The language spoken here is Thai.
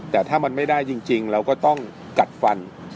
แต่ถ้ามันไม่ได้จริงเราก็ต้องกัดฟัน